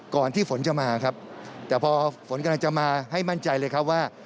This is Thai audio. ก่อนที่ฝนจะมาครับแต่พอฝนกำลังจะมาให้มั่นใจเลยครับว่า